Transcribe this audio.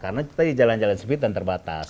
karena kita jalan jalan sepit dan terbatas